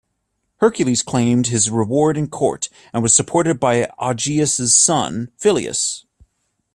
Hercules claimed his reward in court, and was supported by Augeas' son Phyleus.